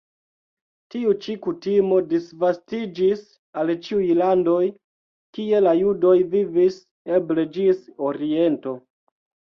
Tiu ĉi kutimo disvastiĝis al ĉiuj landoj, kie la judoj vivis, eble ĝis Oriento.